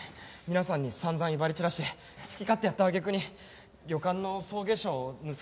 皆さんに散々威張り散らして好き勝手やった揚げ句に旅館の送迎車を盗んで出ていったんですから。